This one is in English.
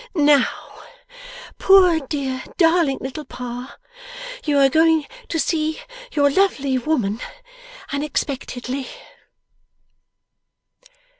Now poor dear darling little Pa, you are going to see your lovely woman unexpectedly.